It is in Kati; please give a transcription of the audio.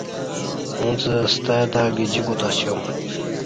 اݩڅ ستہ تہ گجی کوتاسیوم۔